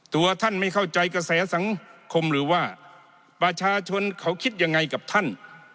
ตัวท่านไม่เข้าใจกระแสสังคมหรือว่าประชาชนเขาคิดยังไงกับท่าน